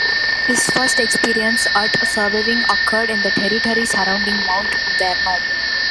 His first experiences at surveying occurred in the territory surrounding Mount Vernon.